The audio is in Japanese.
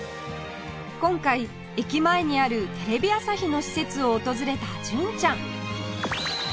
今回駅前にあるテレビ朝日の施設を訪れた純ちゃん